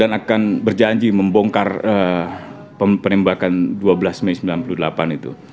dan akan berjanji membongkar penembakan dua belas mei seribu sembilan ratus sembilan puluh delapan itu